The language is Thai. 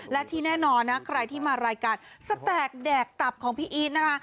และที่แน่นอนนะใครที่มารายการสแตกแดกตับของพี่อีทนะคะ